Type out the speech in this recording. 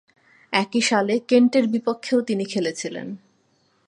একই সালে কেন্টের বিপক্ষেও তিনি খেলেছিলেন।